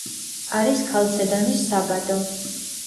არის ქალცედონის საბადო.